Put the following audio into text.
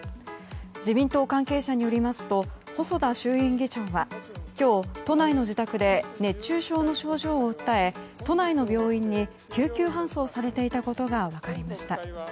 自民党関係者によりますと細田衆院議長は今日都内の自宅で熱中症の症状を訴え都内の病院に救急搬送されていたことが分かりました。